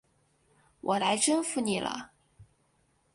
我来征服你了！